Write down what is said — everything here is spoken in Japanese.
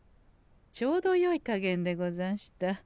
ちょうどよい加減でござんした。